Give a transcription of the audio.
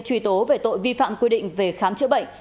truy tố về tội vi phạm quy định về khám chữa bệnh